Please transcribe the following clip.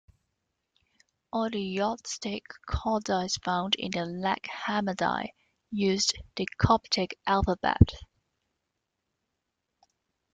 All the Gnostic codices found in Nag Hammadi used the Coptic alphabet.